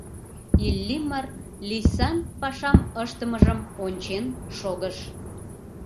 Иллимар Лийсан пашам ыштымыжым ончен шогыш.